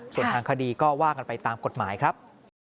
ส่วนทางคดีก็ว่ากันไปตามกฎหมายครับ